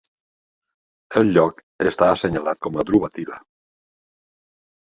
El lloc està assenyalat com a Dhruva Teela.